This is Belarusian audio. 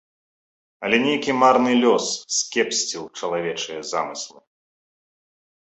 Але нейкі марны лёс скепсціў чалавечыя замыслы.